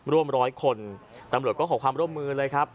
ร่วมล้อยคนตำรวจร้องมือเลยครับ